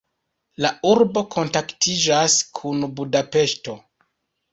La urbo kontaktiĝas kun Budapeŝto.